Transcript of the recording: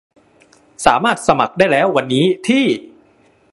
สามารถสมัครได้แล้ววันนี้ที่